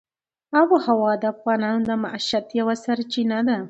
آب وهوا د افغانانو د معیشت یوه سرچینه ده.